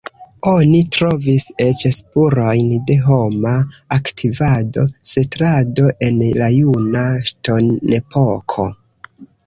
Oni trovis eĉ spurojn de homa aktivado, setlado en la juna ŝtonepoko.